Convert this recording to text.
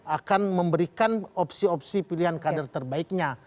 akan memberikan opsi opsi pilihan kader terbaiknya